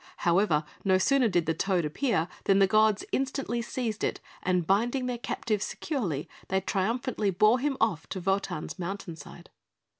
However, no sooner did the toad appear, than the gods instantly seized it, and binding their captive securely, they triumphantly bore him off to Wotan's mountain side.